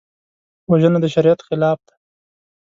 وژنه د شریعت خلاف ده